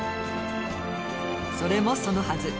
それもそのはず。